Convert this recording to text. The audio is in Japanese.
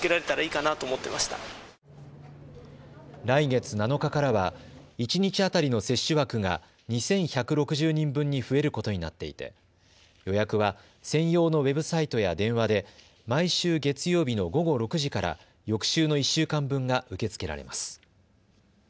来月７日からは一日当たりの接種枠が２１６０人分に増えることになっていて予約は専用のウェブサイトや電話で毎週月曜日の午後６時から翌週の１週間分が受け付けられます。